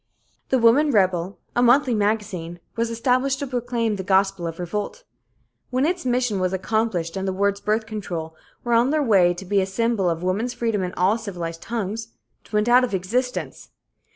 The Woman Rebel, a monthly magazine, was established to proclaim the gospel of revolt. When its mission was accomplished and the words "birth control" were on their way to be a symbol of woman's freedom in all civilized tongues, it went out of existence.